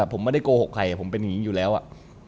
ผมไม่ได้โกหกใครผมเป็นอย่างนี้อยู่แล้วอ่ะ